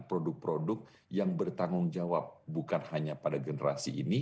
produk produk yang bertanggung jawab bukan hanya pada generasi ini